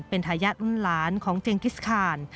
เป็นทายาทรุ่นหลานของเจงกิสคาน